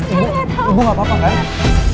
ibu gak apa apa guys